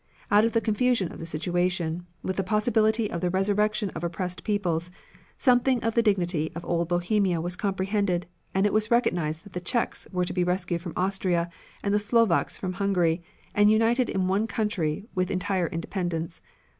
Out of the confusion of the situation, with the possibility of the resurrection of oppressed peoples, something of the dignity of old Bohemia was comprehended, and it was recognized that the Czechs were to be rescued from Austria and the Slovaks from Hungary, and united in one country with entire independence.